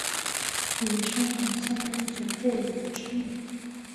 以生产香槟酒最为知名。